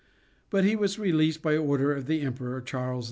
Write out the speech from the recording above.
But he was released by order of the emperor, Charles V.